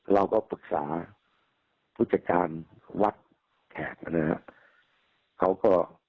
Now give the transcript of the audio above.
เราก็ปรึกษาผู้จัดการวัดแขกนะครับเขาก็